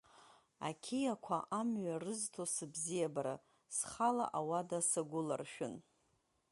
Ақьиақәа амҩа рызҭо сыбзиабара схала ауада сагәыларшәын…